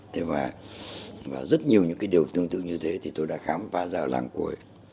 thế và rất nhiều những cái điều tương tự như thế thì tôi đã khám phá ra ở làng cuối